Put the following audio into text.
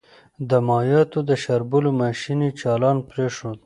د مايعاتو د شاربلو ماشين يې چالان پرېښود.